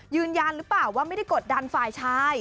ยืนยันหรือเปล่าว่าไม่ได้กดดันฝ่ายชาย